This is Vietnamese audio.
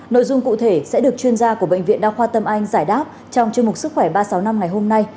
nội dung cụ thể sẽ được chuyên gia của bệnh viện đa khoa tâm anh giải đáp trong chương mục sức khỏe ba trăm sáu mươi năm ngày hôm nay